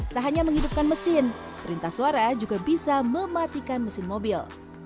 tak hanya menghidupkan mesin perintah suara juga bisa mematikan mesin mobil